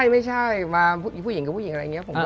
ไม่ใช่มาผู้หญิงกับผู้หญิงอะไรอย่างนี้